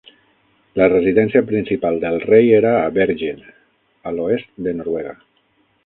La residència principal del rei era a Bergen, a l'oest de Noruega.